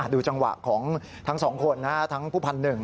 ดูจังหวะของทั้งสองคนทั้งผู้พันหนึ่ง